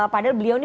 padahal beliau ini